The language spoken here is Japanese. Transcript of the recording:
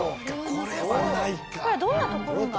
これはどんなところが？